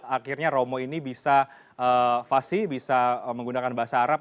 akhirnya romo ini bisa fasi bisa menggunakan bahasa arab